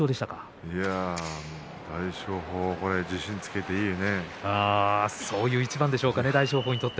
大翔鵬は力をつけていますね。